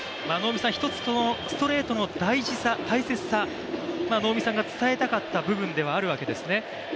ストレートの大事さ、大切さ能見さんが伝えたかった部分ではあるわけですね。